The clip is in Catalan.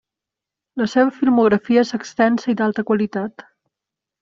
La seva filmografia és extensa i d'alta qualitat.